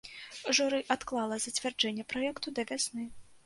Журы адклала зацвярджэнне праекту да вясны.